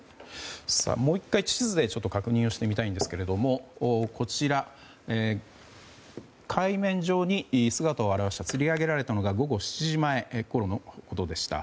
もう１回地図で確認をしてみたいんですが海面上に姿を現した、つり上げられたのが午後７時前のことでした。